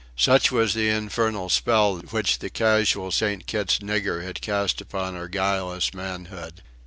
Such was the infernal spell which that casual St. Kitt's nigger had cast upon our guileless manhood!